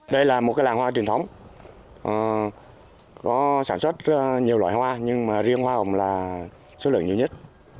đây là một cái làng hoa truyền thống có sản xuất nhiều loại hoa nhưng mà riêng hoa hồng là số lượng nhiều nhất